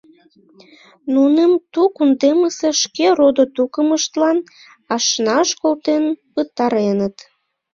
Нуным ты кундемысе шке родо-тукымыштлан ашнаш колтен пытареныт.